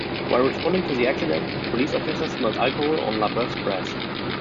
While responding to the accident, police officers smelled alcohol on LaBeouf's breath.